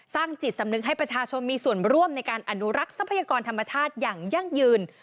จิตสำนึกให้ประชาชนมีส่วนร่วมในการอนุรักษ์ทรัพยากรธรรมชาติอย่างยั่งยืน